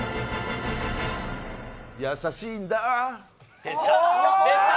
優しいんだぁ。